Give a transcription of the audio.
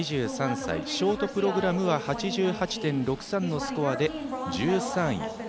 ２３歳、ショートプログラムは８８．６３のスコアで１３位。